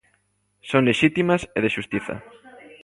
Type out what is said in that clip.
Son lexítimas e de xustiza.